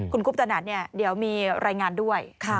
คุณกุ๊บจนัดเดี๋ยวมีรายงานด้วยค่ะ